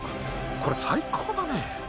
これ最高だね。